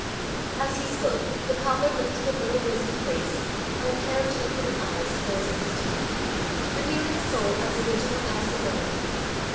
As he spoke, the cobbler lifted a little wizened face and a pair of twinkling eyes to those of the student, revealing a soul as original as his own.